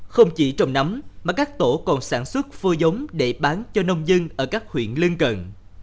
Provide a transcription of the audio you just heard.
không chỉ trồng nấm mà các tổ còn sản xuất phôi giống để bán cho nông dân ở các huyện lân cận